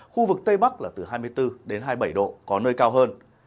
khu vực tây bắc là từ hai mươi bốn đến hai mươi bảy độ có nơi cao hơn